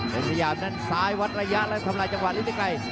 เว้นเซยามดั้นสายวัดระยะแล้วทำลายจังหวะฤทธิไกร